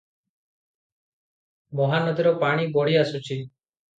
ମହାନଦୀର ପାଣି ବଢ଼ିଆସୁଛି ।